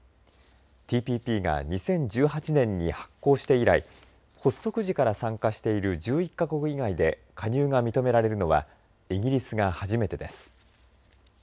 ＴＰＰが２０１８年に発効して以来発足時から参加している１１か国以外で加入が認められるのはイギリスが初めてです。